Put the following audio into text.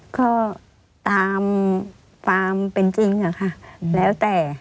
ก็ตามความเป็นจริงค่ะแล้วแต่